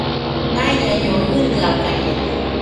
Naiñaiño ɨnɨakañede